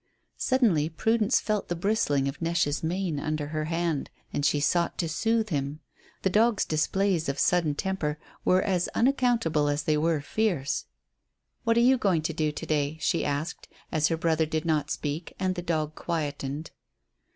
Suddenly Prudence felt the bristling of Neche's mane under her hand. And she sought to soothe him. This dog's displays of sudden temper were as unaccountable as they were fierce. "What are you going to do to day?" she asked, as her brother did not speak and the dog quietened.